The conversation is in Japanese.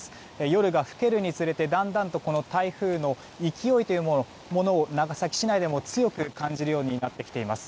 夜が更けるにつれてだんだんと台風の勢いを長崎市内でも強く感じるようになってきています。